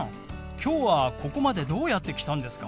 今日はここまでどうやって来たんですか？